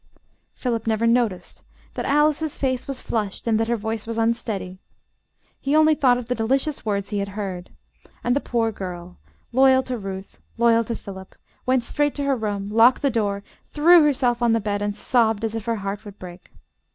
Philip never noticed that Alice's face was flushed and that her voice was unsteady; he only thought of the delicious words he had heard. And the poor girl, loyal to Ruth, loyal to Philip, went straight to her room, locked the door, threw herself on the bed and sobbed as if her heart would break.